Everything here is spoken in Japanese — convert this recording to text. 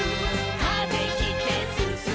「風切ってすすもう」